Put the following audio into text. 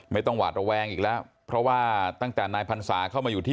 หวาดระแวงอีกแล้วเพราะว่าตั้งแต่นายพรรษาเข้ามาอยู่ที่